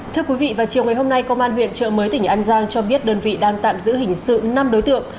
thưa quý vị vào chiều ngày hôm nay công an huyện trợ mới tỉnh an giang cho biết đơn vị đang tạm giữ hình sự năm đối tượng